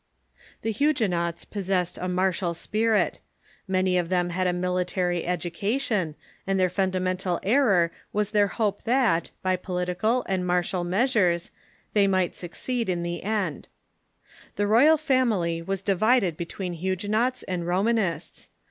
The Huguenots possessed a martial si)irit. Many of them had a military education, and their fundamental error Avas their hope that, by political and martial measures, th^'H^'uenots ^^^^J ^'^^S^^^ succeed in tlie end. The royal family was divided between Huguenots and Romanists.